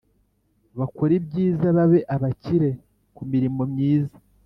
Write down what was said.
Bakore ibyiza babe abakire ku mirimo myiza